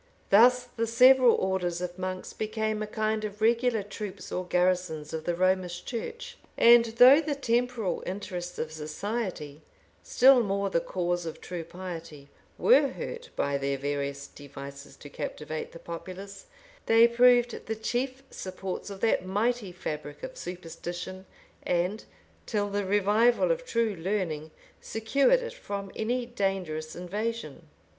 Thus the several orders of monks became a kind of regular troops or garrisons of the Romish church; and though the temporal interests of society, still more the cause of true piety, were hurt, by their various devices to captivate the populace, they proved the chief supports of that mighty fabric of superstition, and, till the revival of true learning, secured it from any dangerous invasion.